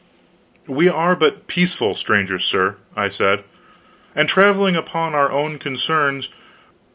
"We are but peaceful strangers, sir," I said, "and traveling upon our own concerns.